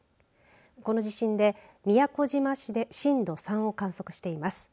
この地震で宮古島市で震度３を観測しています。